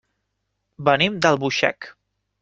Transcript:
Venim d'Albuixec.